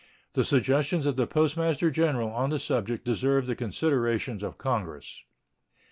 The suggestions of the Postmaster General on the subject deserve the consideration of Congress.